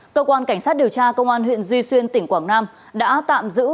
cơ quan cảnh sát điều tra công an huyện duy xuyên tỉnh quảng nam đã tạm giữ